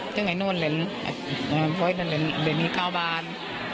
เพราะฉะนั้นมันเล็นแบบนี้๙บาท